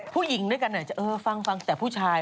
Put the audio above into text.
ผู้หญิงด้วยกันจะเออฟังฟังแต่ผู้ชาย